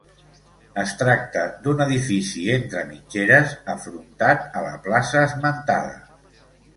Es tracta d'un edifici entre mitgeres, afrontat a la plaça esmentada.